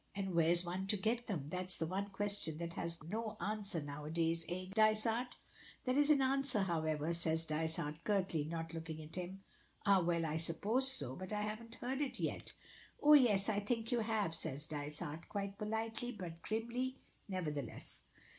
And where's one to get them? That's the one question that has got no answer now a days. Eh, Dysart?" "There is an answer, however," says Dysart, curtly, not looking at him. "Ah, well, I suppose so. But I haven't heard it yet." "Oh, yes, I think you have," says Dysart, quite politely, but grimly, nevertheless.